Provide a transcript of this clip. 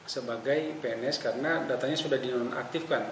sebagai pns karena datanya sudah dinonaktifkan